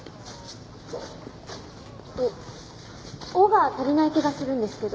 「お」「お」が足りない気がするんですけど。